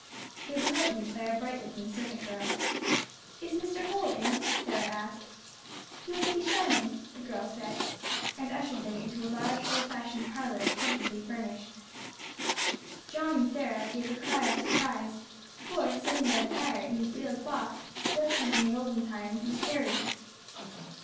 It was opened by a bright looking servant girl. "Is Mr. Holl in?" Sarah asked. "You are to be shown in," the girl said, and ushered them into a large, old fashioned parlour, comfortably furnished. John and Sarah gave a cry of surprise, for, sitting by the fire, in his wheeled box, just as in the olden time, was Harry.